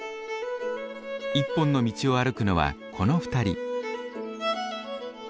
一本の道を歩くのはこの２人。